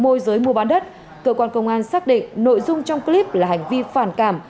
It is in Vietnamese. môi giới mua bán đất cơ quan công an xác định nội dung trong clip là hành vi phản cảm